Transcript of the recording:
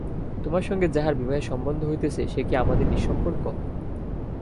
তোমার সঙ্গে যাহার বিবাহের সম্বন্ধ হইতেছে সে কি আমাদের নিঃসম্পর্ক?